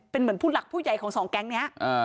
เป็นเหมือนผู้หลักผู้ใหญ่ของสองแก๊งนี้